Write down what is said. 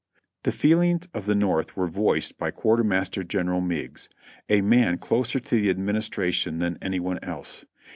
The feelings of the North were voiced by Quartermaster Gen eral Meigs, a man closer to the Administration than any one else.